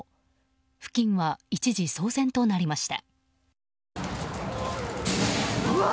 付近は一時騒然となりました。